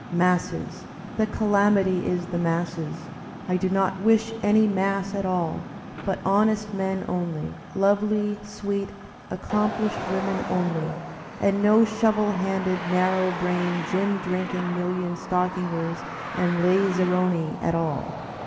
Masses! The calamity is the masses. I do not wish any mass at all, but honest men only, lovely, sweet accomplished women only, and no shovd handed, narrow brained, gin drinking million stoddngers and laz saroni at all.